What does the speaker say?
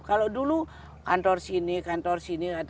kalau dulu kantor sini kantor sini